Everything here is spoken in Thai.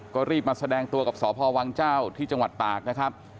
ก็รีบมาแสดงตัวกับสพวังเจ้าที่จังหวัดตากนะครับ